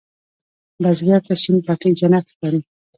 بزګر ته شین پټی جنت ښکاري